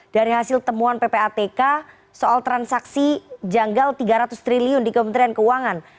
dari hasil temuan ppatk soal transaksi janggal tiga ratus triliun di kementerian keuangan